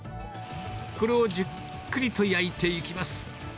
これをじっくりと焼いていきます。